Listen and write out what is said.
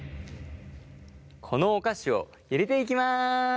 このお菓子を入れていきます。